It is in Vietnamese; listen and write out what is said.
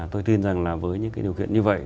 tôi tin rằng là với những cái điều kiện như vậy